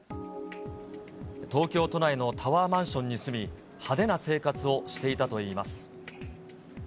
東京都内のタワーマンションに住み、派手な生活をしていたといいます。